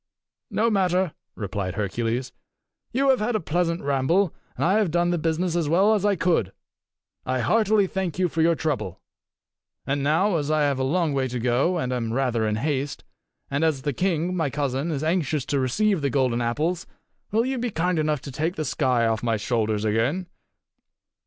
"No matter," replied Hercules. "You have had a pleasant ramble, and have done the business as well as I could. I heartily thank you for your trouble. And now, as I have a long way to go, and am rather in haste, and as the king, my cousin, is anxious to receive the golden apples, will you be kind enough to take the sky off my shoulders again?"